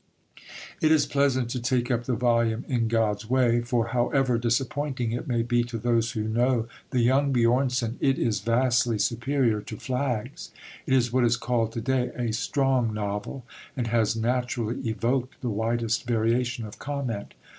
It is pleasant to take up the volume In God's Way, for, however disappointing it may be to those who know the young Björnson, it is vastly superior to Flags. It is what is called to day a "strong" novel, and has naturally evoked the widest variation of comment.